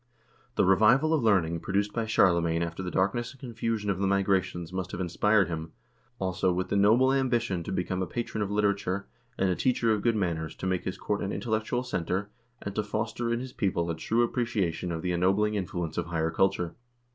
The revival of learning produced by Charlemagne after the darkness and confusion of the Migrations must have inspired him, also, with the noble ambition to become a patron of literature, and a teacher of good manners, to make his court an intellectual center, and to foster in his people a true appreciation of the ennobling influence of higher culture.